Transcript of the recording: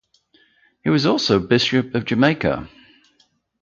He was also bishop of Jamaica.